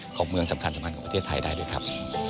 ของเมืองสำคัญสำคัญของประเทศไทยได้ด้วยครับ